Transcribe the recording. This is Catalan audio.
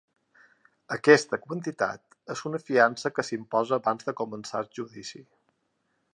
Aquesta quantitat és una fiança que s’imposa abans de començar el judici.